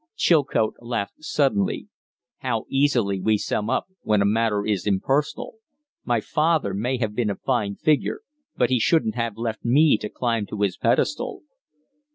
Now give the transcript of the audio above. Chilcote laughed suddenly. "How easily we sum up, when a matter is impersonal! My father may have been a fine figure, but he shouldn't have left me to climb to his pedestal."